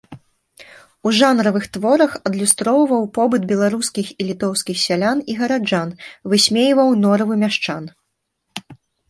У жанравых творах адлюстроўваў побыт беларускіх і літоўскіх сялян і гараджан, высмейваў норавы мяшчан.